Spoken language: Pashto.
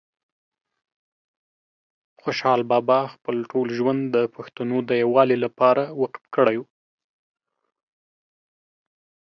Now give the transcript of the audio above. خوشحال بابا خپل ټول ژوند د پښتنو د یووالي لپاره وقف کړی وه